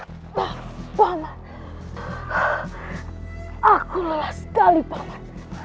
pak paman aku lelah sekali pak paman